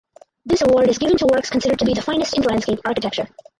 This award is given to works considered to be the finest in landscape architecture.